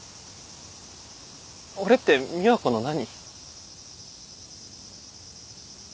俺って美和子の何？